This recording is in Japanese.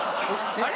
あれ？